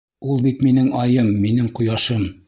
Ул бит минең айым, минең ҡояшым!